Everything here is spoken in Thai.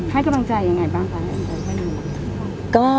ให้กำลังใจยังไงบ้างคะ